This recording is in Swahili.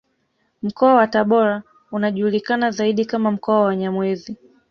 Mkoa wa Tabora unajulikana zaidi kama mkoa wa Wanyamwezi